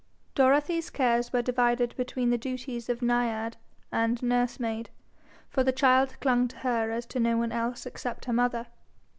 Dorothy's cares were divided between the duties of naiad and nursemaid, for the child clung to her as to no one else except her mother.